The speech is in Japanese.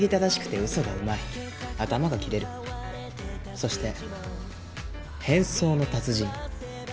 そして変装の達人。